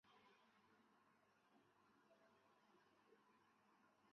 通过荧光原位杂交能够确认它们的存在。